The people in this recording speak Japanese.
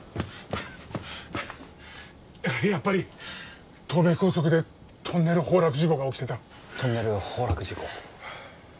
やっぱり東名高速でトンネル崩落事故が起きてたトンネル崩落事故？